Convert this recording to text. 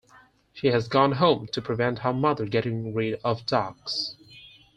She has gone home to prevent her mother getting rid of Daks.